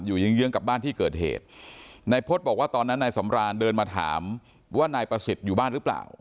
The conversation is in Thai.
เยื้องเยื้องกับบ้านที่เกิดเหตุนายพฤษบอกว่าตอนนั้นนายสำรานเดินมาถามว่านายประสิทธิ์อยู่บ้านหรือเปล่า